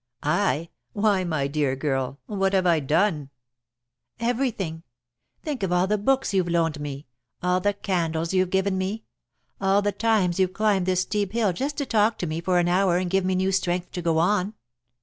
"I? Why, my dear girl, what have I done?" "Everything. Think of all the books you've loaned me, all the candles you've given me all the times you've climbed this steep hill just to talk to me for an hour and give me new strength to go on."